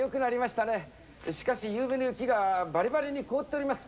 しかし昨夜の雪がバリバリに凍っております。